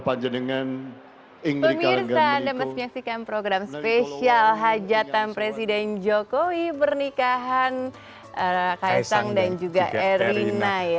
pemirsa anda masih menyaksikan program spesial hajatan presiden jokowi pernikahan kaisang dan juga erina ya